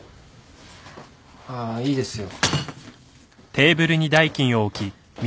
ああいいですよ。